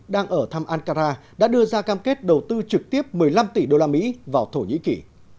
đang ở thăm ankara đã đưa ra cam kết đầu tư trực tiếp một mươi năm tỷ usd vào thổ nhĩ kỳ